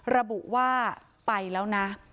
ระบุว่าไปแล้วนะ